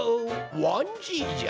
わんじいじゃ。